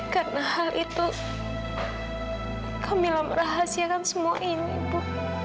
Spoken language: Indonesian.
karena hal itu kamu yang merahasiakan semua ini bu